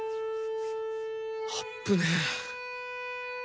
あっぶね。